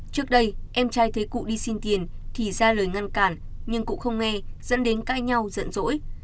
trước đây em trai thấy cụ đi xin tiền thì ra lời ngăn cản nhưng cụ không nghe dẫn đến cai nhau giận dỗi